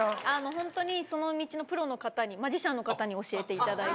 本当にその道のプロの方に、マジシャンの方に教えていただいて。